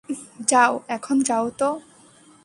যাও, এখন যাও তো!